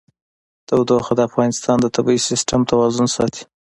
تودوخه د افغانستان د طبعي سیسټم توازن ساتي.